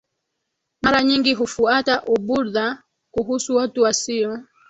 mara nyingi hufuata Ubuddha Kuhusu watu wasio